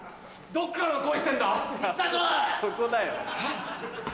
・そこだよ。